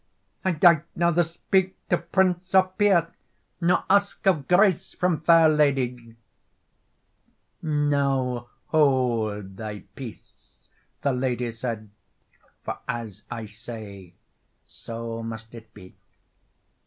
"I dought neither speak to prince or peer, Nor ask of grace from fair ladye:" "Now hold thy peace," the lady said, "For as I say, so must it be."